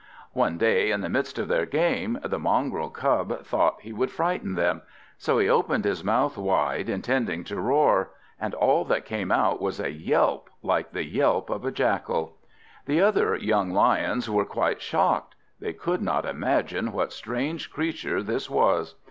One day, in the midst of their game, the mongrel Cub thought he would frighten them; so he opened his mouth wide, intending to roar, and all that came out was a yelp like the yelp of a jackal. The other young Lions were quite shocked; they could not imagine what strange creature this was.